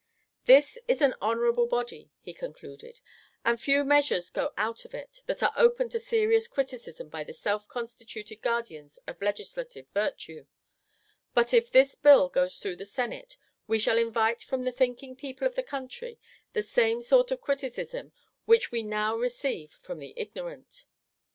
"This is an honourable body," he concluded, "and few measures go out of it that are open to serious criticism by the self constituted guardians of legislative virtue, but if this bill goes through the Senate we shall invite from the thinking people of the country the same sort of criticism which we now receive from the ignorant.